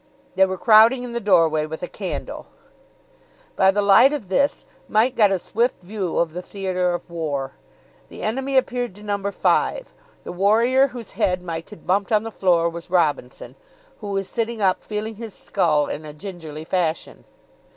They were crowding in the doorway with a candle. By the light of this Mike got a swift view of the theatre of war. The enemy appeared to number five. The warrior whose head Mike had bumped on the floor was Robinson, who was sitting up feeling his skull in a gingerly fashion.